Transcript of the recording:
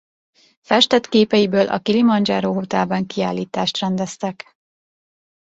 Festett képeiből a Kilimandzsáró Hotelben kiállítást rendeztek.